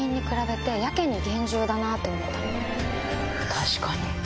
確かに。